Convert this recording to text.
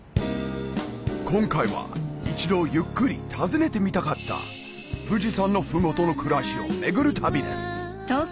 今回は一度ゆっくり訪ねてみたかった富士山の麓の暮らしをめぐる旅です